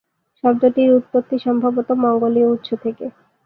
শব্দটির উৎপত্তি সম্ভবত মঙ্গোলীয় উৎস থেকে।